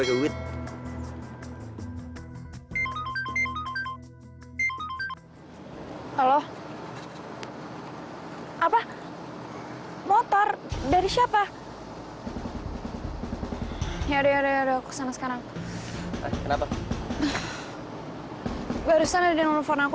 duit halo apa motor dari siapa ya udah udah kesana sekarang kenapa barusan ada telepon aku